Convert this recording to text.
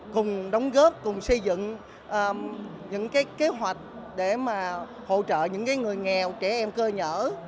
cùng đóng góp cùng xây dựng những kế hoạch để mà hỗ trợ những người nghèo trẻ em cơ nhở